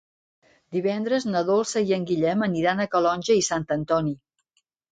Divendres na Dolça i en Guillem aniran a Calonge i Sant Antoni.